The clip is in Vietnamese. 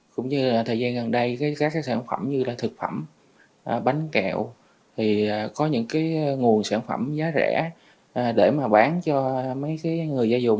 cũng như là thời gian gần đây các cái sản phẩm như là thực phẩm bánh kẹo thì có những cái nguồn sản phẩm giá rẻ để mà bán cho mấy cái người gia dùng